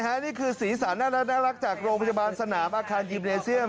นี่คือสีสันน่ารักจากโรงพยาบาลสนามอาคารยิมเนเซียม